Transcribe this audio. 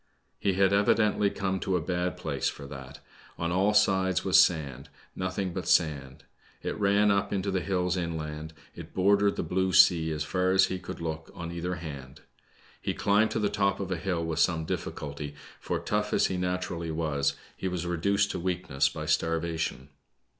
He had evidently come to a bad place for that. On all sides was sand, — nothing but sand. It ran up into hills inland, it bordered the blue sea as far as he could look on either hftid. He chmbed to the top of a hill with some difficulty, for tough as he naturally was, he was reduced to weak ness by starvation.